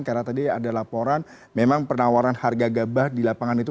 karena tadi ada laporan memang penawaran harga gabah di lapangan itu